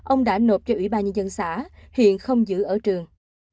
ông đã nộp cho ủy ban nhân dân xã hiện không giữ ở trường